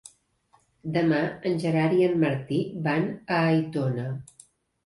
Demà en Gerard i en Martí van a Aitona.